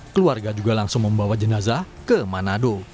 keluarga juga langsung membawa jenazah ke manado